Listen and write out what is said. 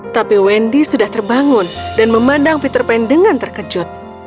tapi wendy sudah terbangun dan memandang peter pan dengan terkejut